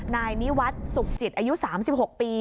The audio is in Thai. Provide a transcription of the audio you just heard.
นายนิวัฒน์สุขจิตอายุ๓๖ปี